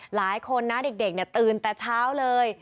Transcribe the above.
หลายคนนะเด็กตื่นแต่เช้าเลย